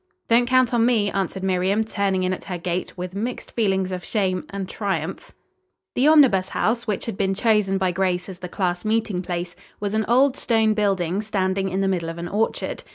"Don't count on me," answered Miriam, turning in at her gate, with mixed feelings of shame and triumph. The Omnibus House, which had been chosen by Grace as the class meeting place, was an old stone building standing in the middle of an orchard.